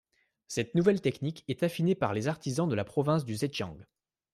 Cette nouvelle technique est affinée par les artisans de la province du Zhejiang.